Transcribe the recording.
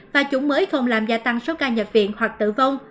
và chủng mới không làm gia tăng số ca nhập viện hoặc tử vong